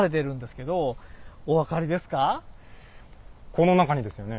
この中にですよね？